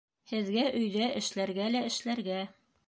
Һеҙгә өйҙә эшләргә лә эшләргә